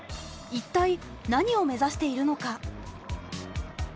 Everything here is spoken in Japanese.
一体なにを目指しているのか。